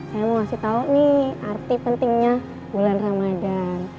saya mau kasih tau nih arti pentingnya bulan ramadhan